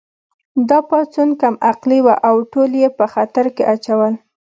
دا پاڅون کم عقلې وه او ټول یې په خطر کې اچول